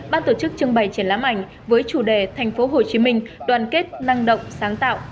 ban tổ chức trưng bày triển lãm ảnh với chủ đề thành phố hồ chí minh đoàn kết năng động sáng tạo